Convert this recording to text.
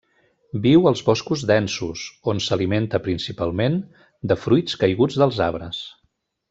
Viu als boscos densos, on s'alimenta principalment de fruits caiguts dels arbres.